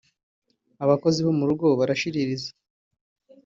abakozi bo mu rugo barashiririza